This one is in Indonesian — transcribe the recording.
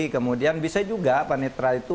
kemudian bisa juga panitra itu